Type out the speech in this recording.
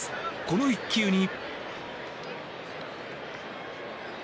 この１球に。